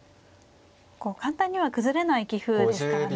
簡単には崩れない棋風ですからね。